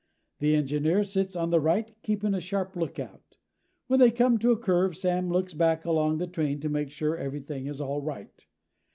The engineer sits on the right, keeping a sharp lookout. When they come to a curve, Sam looks back along the train to make sure everything is all right.